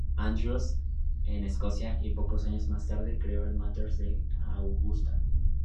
Andrews, en Escocia; y pocos años más tarde creó el Masters de Augusta.